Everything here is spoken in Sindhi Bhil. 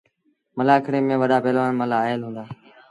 ملآکڙي ميݩ وڏآ پهلوآن مله آئيٚل هُݩدآ۔